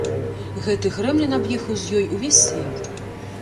Гэты грэмлін аб'ехаў з ёй увесь свет.